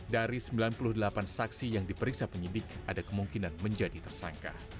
dari sembilan puluh delapan saksi yang diperiksa penyidik ada kemungkinan menjadi tersangka